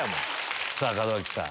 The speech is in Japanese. さぁ門脇さん。